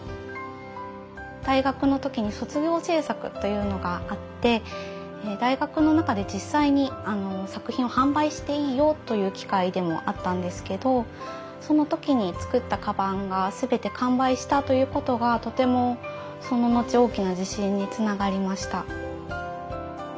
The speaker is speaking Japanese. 大学の時に卒業制作というのがあって大学の中で実際に作品を販売していいよという機会でもあったんですけどその時に作ったかばんが全て完売したということがとてもそののち大きな自信につながりました。